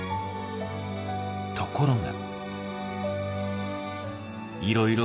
ところが。